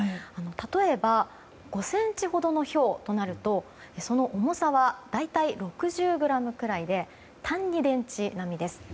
例えば５ｃｍほどのひょうとなるとその重さは大体６０ｇぐらいで単２電池並みです。